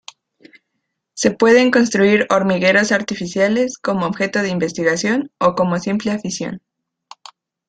Se pueden construir hormigueros artificiales como objeto de investigación o como simple afición.